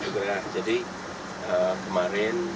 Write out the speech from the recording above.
sudah jadi kemarin